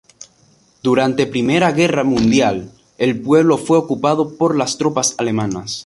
Durante Primera Guerra Mundial el pueblo fue ocupado por las tropas alemanas.